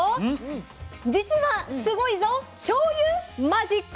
実は「スゴイぞ！しょうゆマジック」。